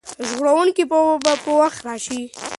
ژغورونکی به په وخت راشي.